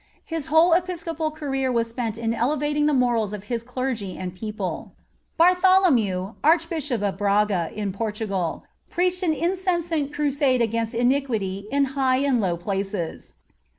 His whole Episcopal career was spent in elevating the morals of his clergy and people. Bartholomew, Archbishop of Braga, in Portugal, preached an incessant crusade against iniquity in high and low places.